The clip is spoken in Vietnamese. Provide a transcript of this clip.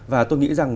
và tôi nghĩ rằng